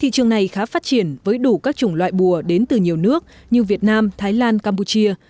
thị trường này khá phát triển với đủ các chủng loại bùa đến từ nhiều nước như việt nam thái lan campuchia